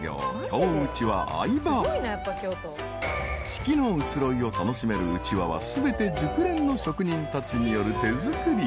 ［四季の移ろいを楽しめるうちわは全て熟練の職人たちによる手作り］